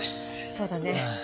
そうだね。